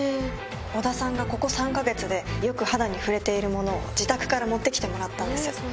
小田さんがここ３か月でよく肌に触れているものを自宅から持ってきてもらったんです。